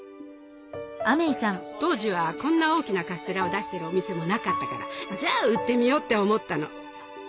当時はこんな大きなカステラを出してるお店もなかったからじゃあ売ってみようって思ったの。